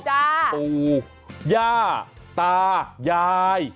ปูยาตายาย